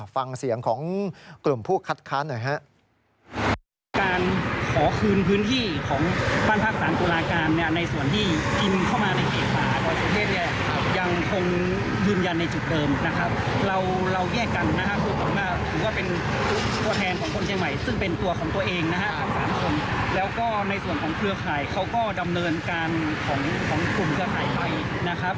ฟังเสียงของกลุ่มผู้คัดค้านหน่อยครับ